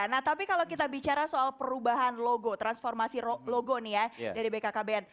nah tapi kalau kita bicara soal perubahan logo transformasi logo nih ya dari bkkbn